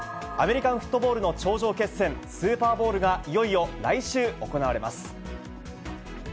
アメリカンフットボールの頂上決戦、スーパーボウルが、いよいよ来週、行われます。